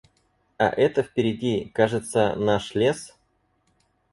А это впереди, кажется, наш лес?